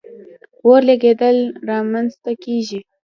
اور لګېدل را منځ ته کیږي.